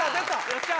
よっしゃ！